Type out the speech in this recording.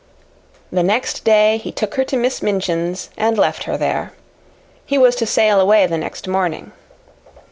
The next day he took her to Miss Minchin's and left her there. He was to sail away the next morning.